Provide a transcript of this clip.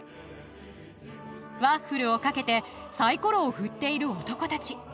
ワッフルを賭けてサイコロを振っている男たち。